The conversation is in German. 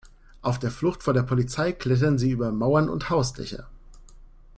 Auf der Flucht vor der Polizei klettern sie über Mauern und Hausdächer.